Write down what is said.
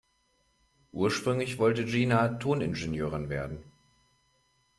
Ursprünglich wollte Gina Toningenieurin werden.